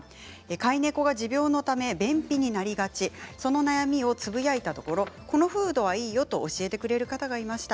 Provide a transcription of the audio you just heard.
飼い猫が持病のため便秘になりがちその悩みをつぶやいたところこのフードはいいよと教えてくれる方がいました。